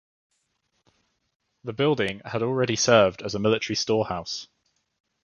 This building had already served as a military storehouse.